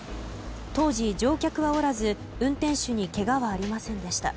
当時乗客はおらず、運転手にけがはありませんでした。